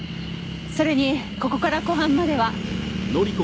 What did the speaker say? それにここから湖畔までは。